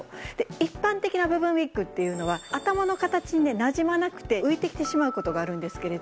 一般的な部分ウィッグっていうのは頭の形になじまなくて浮いてきてしまう事があるんですけれど